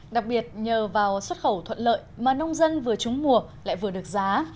đặc biệt nhờ vào xuất khẩu thuận lợi mà nông dân vừa trúng mùa lại vừa được giá